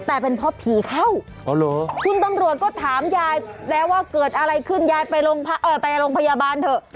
แต่เป็นเพราะผีเข้าคุณตำรวจก็ถามยายแล้วว่าเกิดอะไรขึ้นยายไปโรงพยาบาลเถอะ